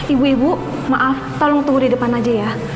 ibu ibu maaf tolong tunggu di depan aja ya